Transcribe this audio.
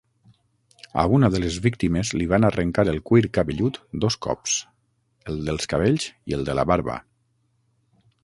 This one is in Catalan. A una de les víctimes li van arrencar el cuir cabellut dos cops, el dels cabells i el de la barba.